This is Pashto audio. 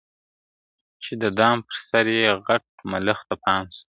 چي د دام پر سر یې غټ ملخ ته پام سو !.